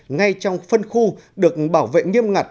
ngay trong phân khu được bảo vệ nghiêm ngặt